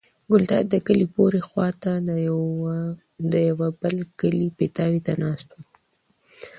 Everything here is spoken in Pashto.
ګلداد د کلي پورې خوا ته د یوه بل کلي پیتاوي ته ناست و.